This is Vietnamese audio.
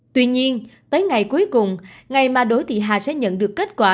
tuy nhiên tới ngày cuối cùng ngày mà đỗ thị hà sẽ nhận được kết quả